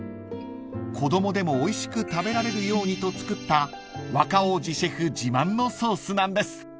［子供でもおいしく食べられるようにと作った若王子シェフ自慢のソースなんです］